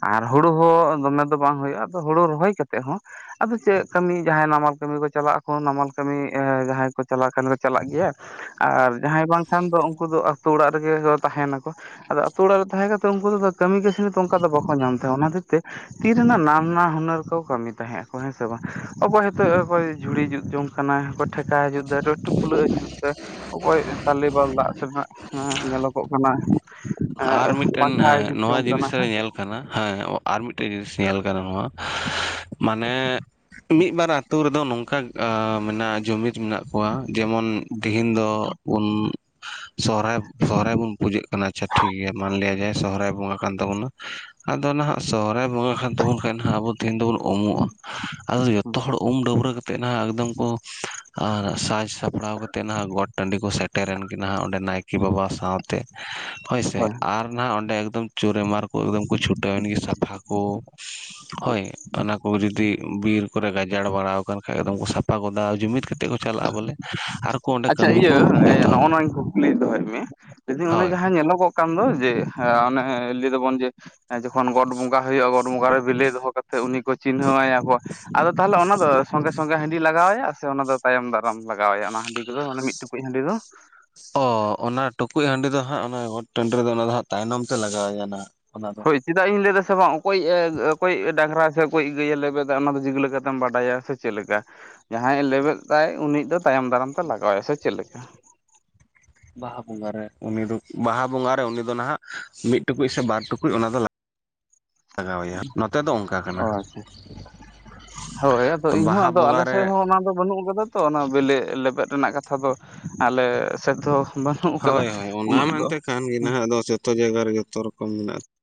ᱟᱨ ᱦᱩᱲᱩ ᱦᱚᱸ ᱫᱚᱢᱮ ᱫᱚ ᱵᱟᱝ ᱦᱩᱭᱩᱜᱼᱟ, ᱟᱫᱚ ᱦᱩᱲᱩ ᱨᱚᱦᱚᱭ ᱠᱟᱛᱮᱫ ᱦᱚᱸ ᱟᱫᱚ ᱪᱮᱫ ᱠᱟᱹᱢᱤ ᱡᱟᱦᱟᱸᱭ ᱱᱟᱢᱟᱞ ᱠᱟᱹᱢᱤ ᱠᱚ ᱪᱟᱞᱟᱜ ᱟᱠᱚ ᱱᱟᱢᱟᱞ ᱠᱟᱹᱢᱤ ᱡᱟᱦᱟᱸᱭ ᱠᱚ ᱪᱟᱞᱟᱣ ᱠᱷᱟᱱ ᱠᱚ ᱪᱟᱞᱟᱜ ᱜᱮᱭᱟ᱾ ᱟᱨ ᱡᱟᱦᱟᱸᱭ ᱵᱟᱝᱠᱷᱟᱱ ᱫᱚ ᱩᱱᱠᱩ ᱫᱚ ᱟᱛᱩ ᱚᱲᱟᱜ ᱨᱮᱜᱮ ᱛᱟᱦᱮᱱᱟᱠᱚ᱾ ᱟᱫᱚ ᱟᱛᱳ ᱚᱲᱟᱜ ᱨᱮ ᱛᱟᱦᱮᱸ ᱠᱟᱛᱮᱫ ᱩᱱᱠᱩ ᱠᱟᱹᱢᱤ ᱠᱟᱹᱥᱱᱮᱛ ᱚᱱᱠᱟ ᱫᱚ ᱵᱟᱠᱚ ᱧᱟᱢ ᱛᱟᱦᱮᱸᱜᱼᱟ, ᱚᱱᱟ ᱠᱷᱟᱹᱛᱤᱨ ᱛᱮ ᱛᱤ ᱨᱮᱱᱟᱜ ᱱᱟᱱᱟᱱᱟ ᱦᱩᱱᱟᱹᱨ ᱠᱚ ᱠᱟᱹᱢᱤ, ᱛᱟᱦᱮᱸ ᱟᱠᱚ ᱦᱮᱸ ᱥᱮ ᱵᱟᱝ, ᱚᱠᱚᱭ ᱦᱤᱛᱚᱜ ᱚᱠᱚᱭ ᱡᱷᱩᱲᱤ ᱡᱩᱛ ᱡᱚᱝ ᱠᱟᱱᱟᱭ, ᱚᱠᱚᱭ ᱴᱷᱮᱠᱟ ᱡᱩᱛ ᱮᱫᱟ, ᱴᱩᱯᱞᱟᱹᱜ ᱮ ᱡᱩᱫ ᱫᱟᱭ, ᱚᱠᱚᱭ ᱛᱟᱞᱮᱵᱟᱞ ᱫᱟᱜ ᱥᱮᱱᱟᱜ ᱧᱮᱞᱚᱜᱚᱜ ᱠᱟᱱᱟ, ᱟᱨ ᱢᱤᱫᱴᱮᱱ ᱯᱟᱝᱠᱷᱟ ᱦᱮᱸ ᱡᱩᱜ ᱱᱚᱣᱟ ᱡᱚᱝ ᱠᱟᱱᱟ ᱡᱤᱱᱤᱥ ᱨᱮ ᱦᱮᱸᱥᱮ᱾ ᱧᱮᱞ ᱦᱮᱸ ᱟᱨ ᱢᱤᱫᱴᱮᱡ ᱡᱤᱱᱤᱥ ᱧᱮᱞ ᱠᱟᱱᱟ ᱱᱚᱣᱟ, ᱢᱟᱱᱮ ᱢᱤᱫᱵᱟᱨ ᱟᱛᱳ ᱨᱮᱫᱚ ᱱᱚᱝᱠᱟ ᱢᱮᱱᱟᱜ ᱡᱩᱢᱤᱫ ᱢᱮᱱᱟᱜ ᱠᱚᱣᱟ, ᱡᱮᱢᱚᱱ ᱛᱮᱦᱤᱧ ᱫᱚ ᱵᱩᱱ ᱥᱚᱦᱨᱟᱭ ᱥᱚᱦᱨᱟᱭ ᱵᱚᱱ ᱯᱩᱡᱟᱹᱜ ᱠᱟᱱᱟ, ᱪᱮᱫ ᱴᱷᱤᱠ ᱜᱮᱭᱟ ᱢᱟᱱᱞᱤᱭᱟ ᱥᱚᱦᱨᱟᱭ ᱵᱚᱸᱜᱟ ᱠᱟᱱ ᱛᱟᱵᱚᱱᱟ ᱾ᱟᱫᱚ ᱱᱟᱦᱟᱜ ᱥᱚᱦᱚᱨᱟᱭ ᱵᱚᱸᱜᱟ ᱠᱷᱟᱱ ᱛᱟᱵᱚᱱ ᱠᱷᱟᱱ ᱦᱟᱸᱜ ᱟᱵᱚ ᱛᱮᱦᱮᱧ ᱫᱚᱵᱚᱱ ᱩᱢᱚᱜᱼᱟ ᱟᱫᱚ ᱡᱚᱛᱚ ᱦᱚᱲ ᱩᱢ ᱰᱟᱹᱵᱨᱟᱹ ᱠᱟᱛᱮ ᱛᱮ ᱱᱟᱦᱟᱜ ᱮᱠᱫᱚᱢ ᱠᱚ ᱟᱸ ᱥᱟᱡᱽ ᱥᱟᱯᱲᱟᱣ ᱠᱟᱛᱮ ᱱᱟᱦᱟᱜ ᱜᱚᱴ ᱴᱟᱺᱰᱤ ᱠᱚ ᱥᱮᱴᱮᱨᱮᱱ ᱠᱤᱱᱟ ᱚᱸᱰᱮ ᱱᱟᱭ ᱠᱮ ᱵᱟᱵᱟ ᱥᱟᱶᱛᱮ ᱦᱳᱭ ᱥᱮ ᱟᱨ ᱱᱟᱦᱟᱜ ᱚᱸᱰᱮ ᱮᱠᱫᱚᱢ ᱪᱳᱨᱮᱢᱟᱨ ᱠᱚ ᱮᱠᱫᱚᱢ ᱠᱚ ᱪᱷᱩᱴᱟᱹᱣᱮᱱ ᱜᱮ ᱥᱟᱯᱷᱟ ᱠᱚ ᱦᱳᱭ ᱚᱱᱟᱠᱚ ᱡᱩᱫᱤ ᱵᱤᱨ ᱠᱚᱨᱮ ᱜᱟᱡᱟᱲ ᱵᱟᱲᱟᱣ ᱠᱟᱱ ᱠᱷᱟᱡ ᱮᱠᱫᱚᱢ ᱠᱚ ᱥᱟᱯᱷᱟ ᱜᱚᱫᱟ ᱡᱩᱢᱤᱫ ᱠᱟᱛᱮ ᱛᱮᱫ ᱠᱚ ᱪᱟᱞᱟᱜᱼᱟ ᱵᱚᱞᱮ᱾ ᱟᱨᱠᱚ ᱚᱸᱰᱮ ᱟᱪᱪᱷᱟ ᱠᱟᱹᱢᱤ ᱠᱚ ᱤᱭᱟᱹ [unintelligible] ᱱᱚᱜᱼᱚ ᱮᱛᱚᱦᱚᱵᱟ ᱱᱚᱣᱟᱧ ᱠᱩᱠᱞᱤ ᱫᱚᱦᱚᱭᱮᱫ ᱢᱮ ᱞᱟᱹᱭᱫᱤᱧ ᱚᱱᱮ ᱦᱳᱭ ᱡᱟᱦᱟᱸ ᱧᱮᱞᱚᱜᱚᱜ ᱠᱟᱱ ᱫᱚ ᱡᱮ ᱦᱮᱸ ᱚᱱᱮ ᱞᱟᱹᱭ ᱫᱚᱵᱚᱱ ᱡᱮ ᱮᱸ ᱡᱚᱠᱷᱚᱱ ᱜᱚᱴ ᱵᱚᱸᱜᱟ ᱦᱩᱭᱩᱜᱼᱟ ᱜᱚᱴ ᱵᱚᱸᱜᱟ ᱨᱮ ᱵᱤᱞᱤ ᱫᱚᱦᱚ ᱠᱟᱛᱮᱫᱜ ᱩᱱᱤ ᱠᱚ ᱪᱤᱱᱦᱟᱹᱣᱟᱭᱟ ᱠᱚ ᱟᱫᱚ ᱛᱟᱦᱚᱞᱮ ᱚᱱᱟ ᱫᱚ ᱥᱚᱸᱜᱮ ᱥᱚᱸᱜᱮ ᱦᱟᱺᱰᱤ ᱞᱟᱜᱟᱣ ᱟᱭᱟ ᱥᱮ ᱚᱱᱟ ᱫᱚ ᱛᱟᱭᱚᱢ ᱫᱟᱨᱟᱢ ᱞᱟᱜᱟᱣ ᱟᱭᱟ ᱚᱱᱟ ᱦᱟᱺᱰᱤ ᱠᱚᱫᱚ ᱚᱱᱟ ᱢᱤᱫ ᱴᱩᱠᱩᱡ ᱦᱟᱺᱰᱤ ᱫᱚ? ᱚ ᱚᱱᱟ ᱴᱩᱠᱩᱡ ᱦᱟᱺᱰᱤ ᱫᱚ ᱦᱟᱸᱜ ᱚᱱᱟ ᱜᱚᱴ ᱴᱟᱺᱰᱤ ᱨᱮ ᱫᱚ ᱚᱱᱟ ᱫᱚ ᱦᱟᱸᱜ ᱛᱟᱭᱱᱚᱢ ᱛᱮ ᱞᱟᱜᱟᱣ ᱟᱭᱟ ᱦᱟᱸᱜ ᱚᱱᱟ ᱫᱚ᱾ ᱦᱳᱭ ᱪᱮᱫᱟᱜ ᱤᱧ ᱞᱟᱹᱭ ᱫᱟ ᱥᱮ ᱵᱟᱝ ᱚᱠᱚᱭᱤᱡ ᱮ ᱚᱠᱚᱭ ᱰᱟᱝᱜᱽᱨᱟ ᱥᱮ ᱚᱠᱚᱭᱤᱡ ᱜᱟᱹᱭ-ᱮ ᱞᱮᱵᱮᱫᱟ ᱚᱱᱟ ᱫᱚ ᱪᱤᱠᱟᱹ ᱞᱮᱠᱟᱛᱮᱢ ᱵᱟᱰᱟᱭᱟ ᱥᱮ ᱪᱮᱫ ᱞᱮᱠᱟ ᱡᱟᱦᱟᱸᱭ ᱮ ᱞᱮᱵᱮᱫ ᱫᱟᱭ ᱩᱱᱤ ᱤᱡ ᱫᱚ ᱛᱟᱭᱚᱢ ᱫᱟᱨᱟᱢ ᱛᱮ ᱞᱟᱜᱟᱣ ᱟᱭ ᱥᱮ ᱪᱮᱫ ᱞᱮᱠᱟ? ᱵᱟᱦᱟ ᱵᱚᱸᱜᱟ ᱨᱮ ᱩᱱᱤ ᱫᱚ ᱵᱟᱦᱟ ᱵᱚᱸᱜᱟ ᱨᱮ ᱩᱱᱤ ᱫᱚ ᱱᱟᱦᱟᱜ ᱢᱤᱫ ᱴᱩᱠᱩᱡ ᱥᱮ ᱵᱟᱨ ᱴᱩᱠᱩᱡ ᱚᱱᱟ ᱫᱚ ᱞᱟ ᱞᱟᱜᱟᱣᱟᱭᱟ ᱱᱚᱛᱮ ᱫᱚ ᱚᱝᱠᱟ ᱚ ᱠᱟᱱᱟ᱾ ᱟᱪᱪᱷᱟ ᱦᱳᱭ ᱟᱫᱚ ᱤᱧ ᱦᱚᱸ ᱵᱟᱦᱟ ᱟᱫᱚ ᱵᱚᱸᱜᱟ ᱟᱞᱮ ᱨᱮ ᱥᱮᱫ ᱦᱚᱸ ᱚᱱᱟ ᱫᱚ ᱵᱟᱹᱱᱩᱜ ᱟᱠᱟᱫᱟ ᱛᱚ ᱚᱱᱟ ᱵᱮᱞᱮ ᱞᱮᱵᱮᱫ ᱨᱮᱱᱟᱜ ᱠᱟᱛᱷᱟ ᱫᱚ ᱟᱞᱮ ᱥᱮᱫ ᱫᱚ ᱵᱟᱹᱱᱷᱩᱜ ᱟᱠᱟᱫᱟ ᱩᱱᱟᱹᱜ ᱫᱚ᱾ ᱠᱷᱟᱱ ᱜᱮ ᱱᱟᱦᱟᱜ ᱫᱚ ᱡᱚᱛᱚ ᱡᱟᱭᱜᱟ ᱨᱮ ᱡᱚᱛᱚ ᱨᱚᱠᱚᱢ ᱢᱮᱱᱟᱜᱼᱟ᱾